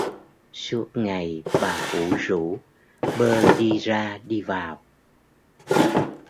Suốt ngày bà ủ rũ bơ đi ra đi vào